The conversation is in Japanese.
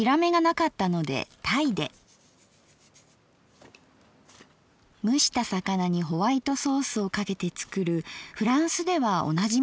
蒸した魚にホワイトソースをかけて作るフランスではおなじみの料理だそう。